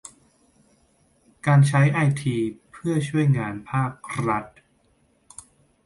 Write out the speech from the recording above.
แวนคูเวอร์ : การใช้ไอทีเพื่อช่วยงานภาครัฐ